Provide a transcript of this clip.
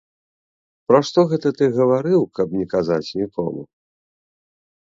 Пра што гэта ты гаварыў, каб не казаць нікому?